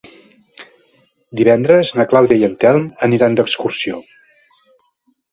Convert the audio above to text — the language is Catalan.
Divendres na Clàudia i en Telm aniran d'excursió.